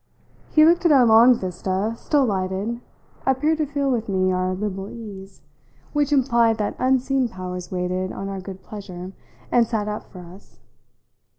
He looked at our long vista, still lighted appeared to feel with me our liberal ease, which implied that unseen powers waited on our good pleasure and sat up for us.